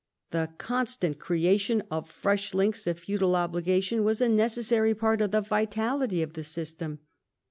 The constant creation of fresh links of feudal obligation was a necessary part of the vitality of the system.